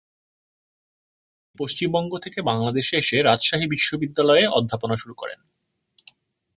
আজাদ রহমান পশ্চিমবঙ্গ থেকে বাংলাদেশে এসে রাজশাহী বিশ্ববিদ্যালয়ে অধ্যাপনা শুরু করেন।